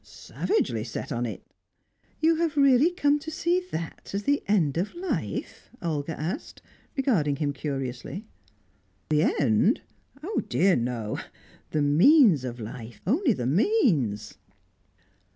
"Savagely set on it!" "You have really come to see that as the end of life?" Olga asked, regarding him curiously. "The end? Oh, dear no! The means of life, only the means!"